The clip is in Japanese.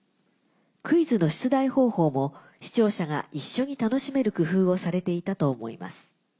クイズの出題方法も視聴者が一緒に楽しめる工夫をされていたと思います。